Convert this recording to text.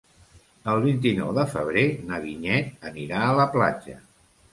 El vint-i-nou de febrer na Vinyet anirà a la platja.